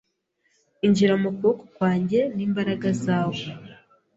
Injira mu kuboko kwanjye Nimbaraga zawe